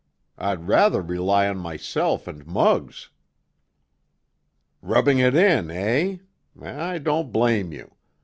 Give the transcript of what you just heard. I'd rather rely on myself and Muggs." "Rubbing it in, eh? I don't blame you!